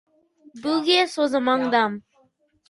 Buguias was among them.